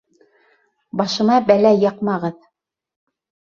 Башыма бәлә яҡмағыҙ!